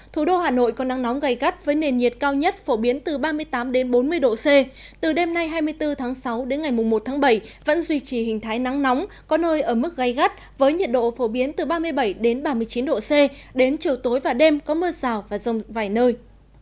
thủ đô hà nội có nắng nóng gây gắt với nền nhiệt cao nhất phổ biến từ ba mươi tám bốn mươi độ c từ đêm nay hai mươi bốn tháng sáu đến ngày một tháng bảy vẫn duy trì hình thái nắng nóng có nơi ở mức gai gắt với nhiệt độ phổ biến từ ba mươi bảy ba mươi chín độ c đến chiều tối và đêm có mưa rào và rông vài nơi